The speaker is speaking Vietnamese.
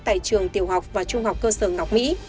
tại trường tiểu học và trung học cơ sở ngọc mỹ